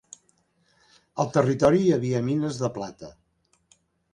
Al territori hi havia mines de plata.